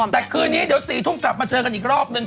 แต่คืนนี้เดี๋ยว๔ทุ่มกลับมาเจอกันอีกรอบนึง